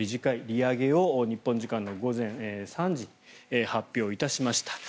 利上げを日本時間午前３時に発表しました。